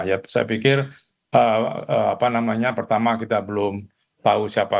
ya saya pikir pertama kita belum tahu siapa